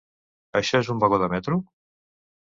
Això és un vagó de metro?